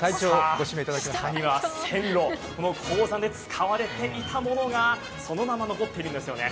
下には線路、鉱山で使われていたものがそのまま残ってるんですよね。